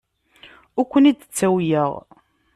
Ur ken-id-ttawyeɣ.